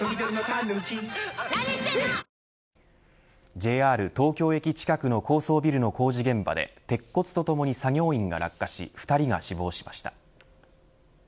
ＪＲ東京駅近くの高層ビルの工事現場で鉄骨とともに作業員が落下し２人が死亡しました。